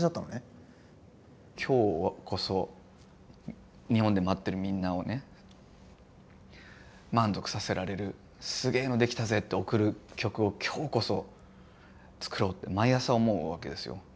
今日こそ日本で待ってるみんなをね満足させられるすげえのできたぜって送る曲を今日こそ作ろうって毎朝思うわけですよ。